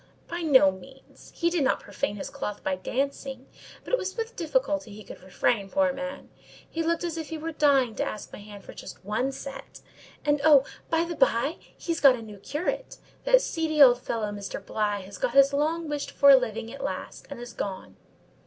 "By no means. He did not profane his cloth by dancing; but it was with difficulty he could refrain, poor man: he looked as if he were dying to ask my hand just for one set; and—oh! by the by—he's got a new curate: that seedy old fellow Mr. Bligh has got his long wished for living at last, and is gone."